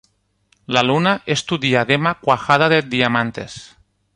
La luna es tu diadema cuajada de diamantes.